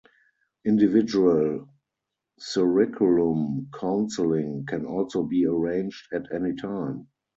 Individual curriculum counselling can also be arranged at any time.